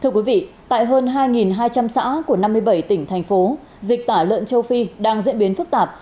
thưa quý vị tại hơn hai hai trăm linh xã của năm mươi bảy tỉnh thành phố dịch tả lợn châu phi đang diễn biến phức tạp